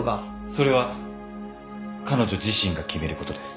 それは彼女自身が決めることです。